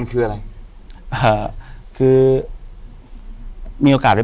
อยู่ที่แม่ศรีวิรัยิลครับ